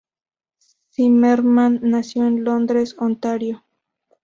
Zimmerman nació en Londres, Ontario.